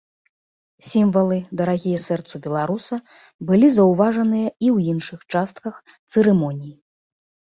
Сімвалы, дарагія сэрцу беларуса, былі заўважаныя і ў іншых частках цырымоніі.